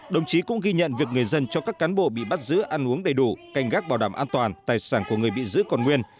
đồng chí cũng ghi nhận việc người dân cho các cán bộ bị bắt giữ ăn uống đầy đủ canh gác bảo đảm an toàn tài sản của người bị giữ còn nguyên